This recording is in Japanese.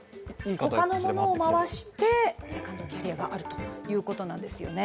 ほかのものを回して、セカンドキャリアがあるということなんですよね。